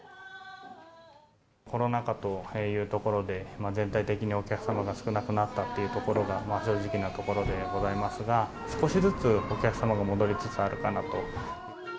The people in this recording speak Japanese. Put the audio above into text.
コロナ禍というところで全体的にお客様が少なくなったっていうところが正直なところでございますが、少しずつお客様が戻りつつあるかなと。